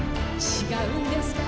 「違うんですか？」